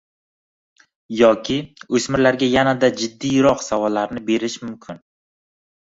Yoki o‘smirlarga yana-da jiddiyroq savollarni berish mumkin: